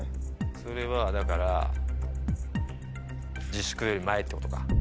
それはだから自粛より前ってことか。